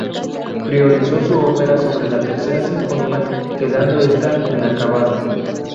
Priorizó su ópera sobre la tercera sinfonía, quedando esta inacabada.